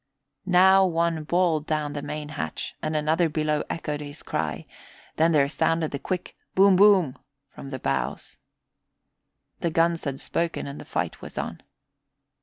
Now one bawled down the main hatch, and another below echoed his cry, then there sounded the quick boom boom from the bows. The guns had spoken and the fight was on.